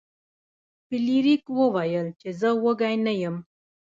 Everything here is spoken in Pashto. فلیریک وویل چې زه وږی نه یم.